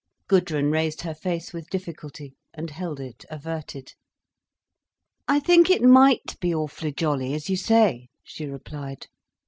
Gudrun raised her face with difficulty and held it averted. "I think it might be awfully jolly, as you say," she replied.